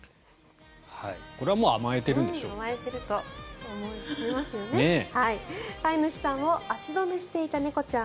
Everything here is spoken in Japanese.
これはもう甘えてるんでしょう。